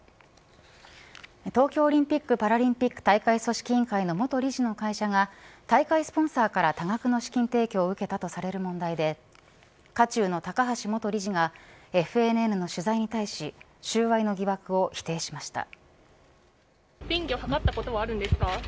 東京オリンピック・パラリンピック大会組織委員会の元理事の会社が大会スポンサーから多額の資金提供を受けたとされる問題で渦中の高橋元理事がＦＮＮの取材に対し収賄の疑惑を否定しました。